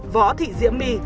võ thị diễm my